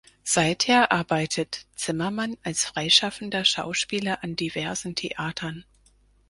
Seither arbeitet Zimmermann als freischaffender Schauspieler an diversen Theatern.